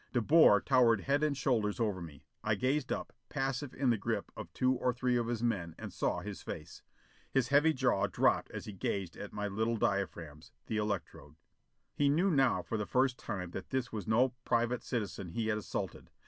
De Boer towered head and shoulders over me. I gazed up, passive in the grip of two or three of his men, and saw his face. His heavy jaw dropped as he gazed at my little diaphragms, the electrode. He knew now for the first time that this was no private citizen he had assaulted.